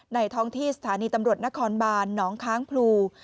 ท้องที่สถานีตำรวจนครบานหนองค้างพลู